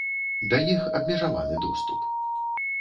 Да іх абмежаваны доступ.